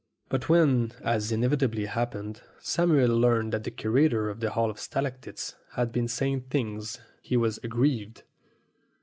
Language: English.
But when, as inevitably happened, Samuel learned that the curator of the Hall of Stalactites had been saying things, he was aggrieved.